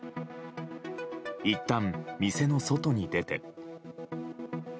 いったん店の外に出て。